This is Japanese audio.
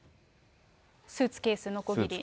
スーツケース、のこぎり。